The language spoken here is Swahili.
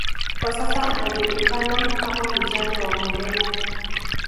kwa sasa anajulikana kama mjane wa Mandela